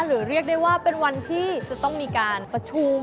เรียกได้ว่าเป็นวันที่จะต้องมีการประชุม